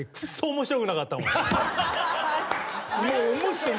もう面白い。